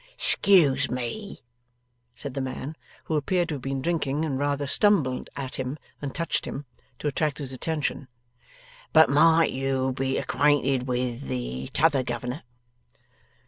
''Scuse me,' said the man, who appeared to have been drinking and rather stumbled at him than touched him, to attract his attention: 'but might you be acquainted with the T'other Governor?